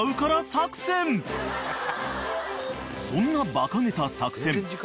［そんなバカげた作戦